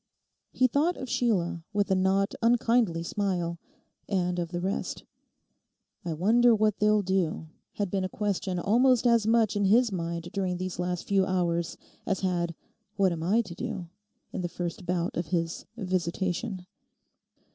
He thought of Sheila with a not unkindly smile, and of the rest. 'I wonder what they'll do?' had been a question almost as much in his mind during these last few hours as had 'What am I to do?' in the first bout of his 'visitation.